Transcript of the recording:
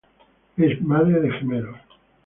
Es madre de gemelos.